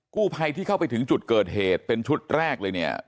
กู้ภัยที่เข้าไปถึงจุดเกิดเหตุเป็นชุดแรกเลยเนี่ย